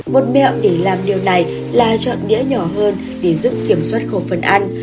một mẹo để làm điều này là chọn đĩa nhỏ hơn để giúp kiểm soát khẩu phần ăn